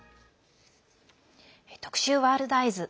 特集「ワールドＥＹＥＳ」。